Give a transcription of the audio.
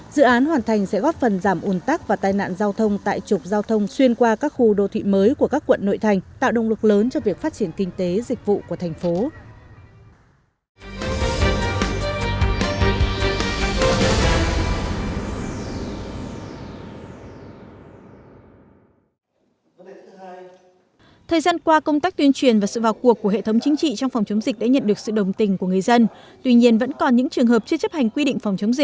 dự án hoàn thành sẽ góp phần giảm ồn tắc và tai nạn giao thông tại trục giao thông xuyên qua các khu đô thị mới của các quận nội thành tạo động lực lớn cho việc phát triển kinh tế dịch vụ của thành phố